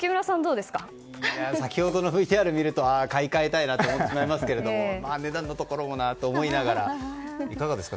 先ほどのＶＴＲを見ると買い換えたいなと思ってしまいますが値段のところも思いながらいかがですか？